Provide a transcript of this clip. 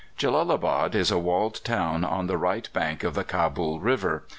Jellalabad is a walled town on the right bank of the Cabul River.